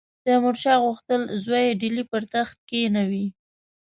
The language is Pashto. تیمورشاه غوښتل زوی ډهلي پر تخت کښېنوي.